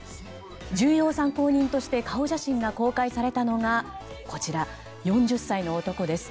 重要参考人として顔写真が公開されたのがこちら、４０歳の男です。